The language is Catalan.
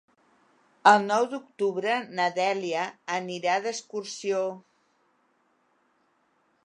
El nou d'octubre na Dèlia anirà d'excursió.